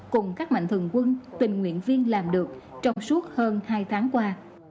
cùng các mạnh thường quân tình nguyện viên làm được trong suốt hơn hai tháng qua